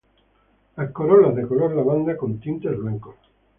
Las corolas de color lavanda con tintes blancos.